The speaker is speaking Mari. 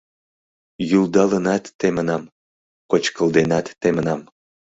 Йӱлдалынат темынам, кочкылденат темынам